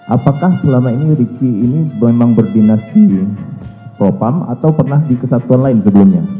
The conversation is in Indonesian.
apakah selama ini riki ini memang berdinasti propam atau pernah di kesatuan lain sebelumnya